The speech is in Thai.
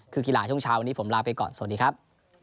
คือกีฬาช่วงเช้าวันนี้ผมลาไปก่อนสวัสดีครับ